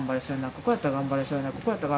ここやったら頑張れそうやな